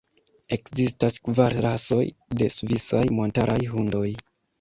Ekzistas kvar rasoj de svisaj montaraj hundoj.